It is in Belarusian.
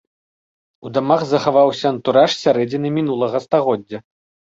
У дамах захаваўся антураж сярэдзіны мінулага стагоддзя.